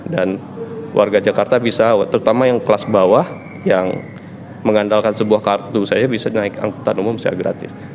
dan warga jakarta bisa terutama yang kelas bawah yang mengandalkan sebuah kartu saja bisa naik angkutan umum secara gratis